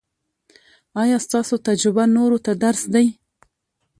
ایا ستاسو تجربه نورو ته درس دی؟